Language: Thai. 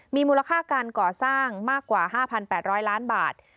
มีมูลค่าการก่อสร้างมากกว่า๕๘๐๐ล้านบาท